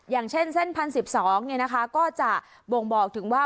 อย่างเช่นเส้นพันสิบสองเนี่ยนะคะก็จะบ่งบอกถึงว่า